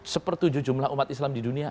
sepertujuh jumlah umat islam di dunia